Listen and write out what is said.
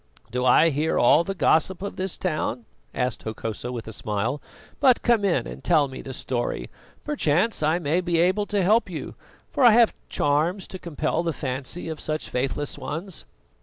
"Do I hear all the gossip of this town?" asked Hokosa, with a smile. "But come in and tell me the story; perchance I may be able to help you, for I have charms to compel the fancy of such faithless ones."